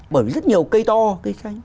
bởi vì rất nhiều cây to cây xanh